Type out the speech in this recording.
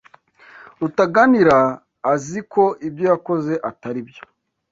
Rutaganira azi ko ibyo yakoze atari byo.